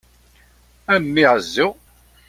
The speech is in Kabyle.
A mmi ɛezzu!